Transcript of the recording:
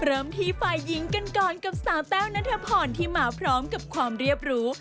เริ่มที่ฝ่ายหญิงกันก่อนกับสาวแต้วนัทพรที่มาพร้อมกับความเรียบรู้